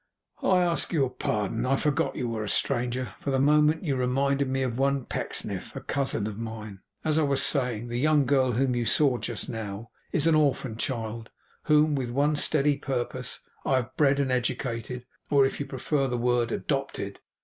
'I ask your pardon. I forgot you were a stranger. For the moment you reminded me of one Pecksniff, a cousin of mine. As I was saying the young girl whom you just now saw, is an orphan child, whom, with one steady purpose, I have bred and educated, or, if you prefer the word, adopted.